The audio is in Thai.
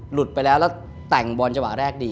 หลุดไปแล้วแล้วแต่งบอลเจาะแรกดี